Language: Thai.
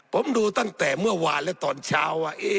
ผมดูตั้งแต่เมื่อวานและตอนเช้าว่า